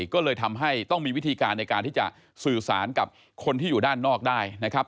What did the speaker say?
ก็เลยทำให้ต้องมีวิธีการในการที่จะสื่อสารกับคนที่อยู่ด้านนอกได้นะครับ